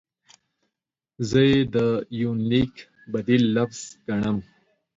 زه یې د یونلیک بدیل لفظ ګڼم.